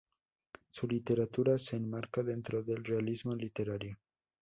Su literatura se enmarca dentro del realismo literario.